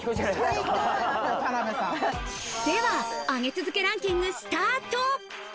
では、上げ続けランキング、スタート！